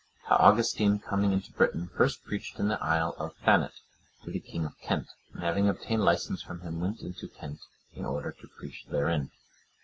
How Augustine, coming into Britain, first preached in the Isle of Thanet to the King of Kent, and having obtained licence from him, went into Kent, in order to preach therein.